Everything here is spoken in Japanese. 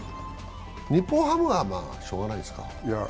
日本ハムはまあしようがないですか？